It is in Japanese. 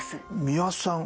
三輪さん